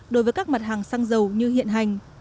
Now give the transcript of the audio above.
đối với các mặt hàng xăng dầu như hiện hành